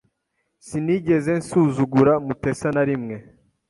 Sinigeze nsuzugura Mutesa narimwe.